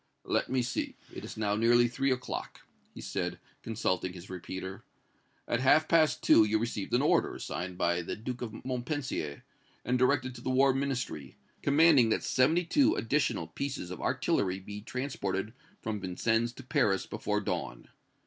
"Let me see, it is now nearly three o'clock," he said, consulting his repeater; "at half past two you received an order, signed by the Duke of Montpensier, and directed to the War Ministry, commanding that seventy two additional pieces of artillery be transported from Vincennes to Paris before dawn.